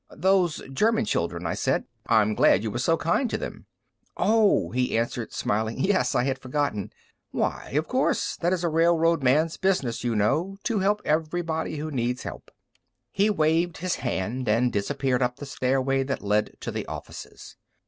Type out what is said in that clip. "Those German children," I said; "I'm glad you were so kind to them!" "Oh," he answered, smiling; "yes, I had forgotten; why, of course, that is a railroad man's business, you know—to help everybody who needs help." He waved his hand and disappeared up the stairway that led to the offices.